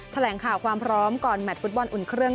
แถลงข่าวความพร้อมก่อนแมทฟุตบอลอุ่นเครื่อง